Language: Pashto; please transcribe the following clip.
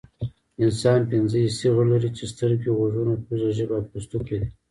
انسان پنځه حسي غړي لري چې سترګې غوږونه پوزه ژبه او پوستکی دي